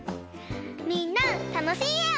みんなたのしいえを。